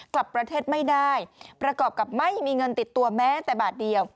กลับประเทศไม่ได้ประกอบกับไม่มีเงินติดตัวแม้แต่บาทเดียว